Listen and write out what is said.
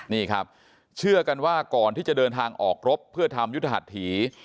นี่ครับเชื่อกันว่าก่อนที่จะเดินทางออกรบเพื่อทำยุทธหัสถี